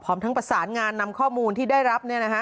ทั้งประสานงานนำข้อมูลที่ได้รับ